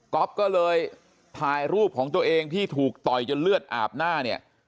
ก็เลยถ่ายรูปของตัวเองที่ถูกต่อยจนเลือดอาบหน้าเนี่ย